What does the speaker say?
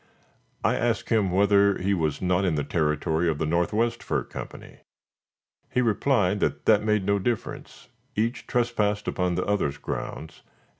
I asked him whether he was not in the territory of the Northwest Fur Company. He replied that that made no difference; each trespassed upon the other's grounds, and he had been engaged for both.